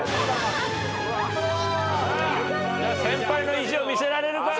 先輩の意地を見せられるか！？